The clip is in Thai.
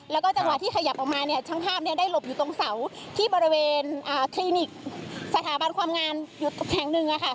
แล้วก็จังหวะที่ขยับออกมาเนี่ยช่างภาพได้หลบอยู่ตรงเสาที่บริเวณคลินิกสถาบันความงามอยู่แห่งหนึ่ง